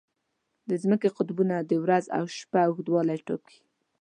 د ځمکې قطبونه د ورځ او شپه اوږدوالی ټاکي.